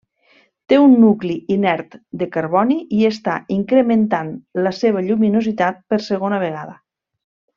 Té un nucli inert de carboni i està incrementant la seva lluminositat per segona vegada.